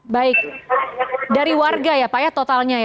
baik dari warga ya pak ya totalnya ya